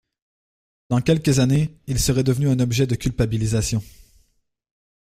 Dans quelques années, il serait devenu un objet de culpabilisation.